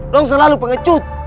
lu selalu pengecut